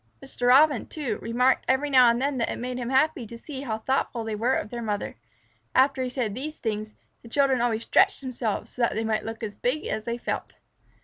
Mr. Robin, too, remarked every now and then that it made him happy to see how thoughtful they were of their mother. After he had said these things, the children always stretched themselves, so that they might look as big as they felt.